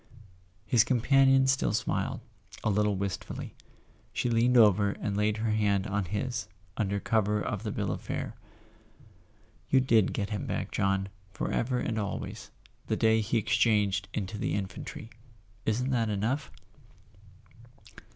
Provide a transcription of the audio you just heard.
His companion still smiled, a little wistfully. She leaned over and laid her hand on his, under cover of the bill of fare. "You did get him back, John, forever and always, the day he exchanged into the infantry. Isn't that enough